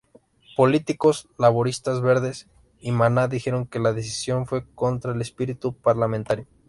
Políticos laboristas, verdes y mana dijeron que la decisión fue contra el espíritu parlamentario.